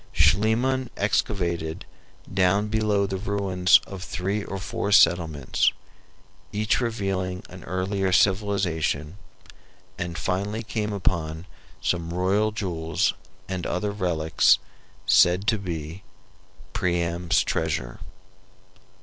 Schliemann excavated down below the ruins of three or four settlements, each revealing an earlier civilization, and finally came upon some royal jewels and other relics said to be "Priam's Treasure."